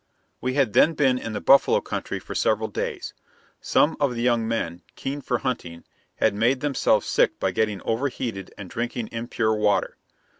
We had then been in the buffalo country for several days. Some of the young men, keen for hunting, had made themselves sick by getting overheated and drinking impure water.